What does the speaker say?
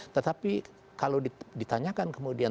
tetapi kalau ditanyakan kemudian